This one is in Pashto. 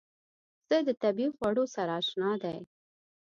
پسه د طبیعي خوړو سره اشنا دی.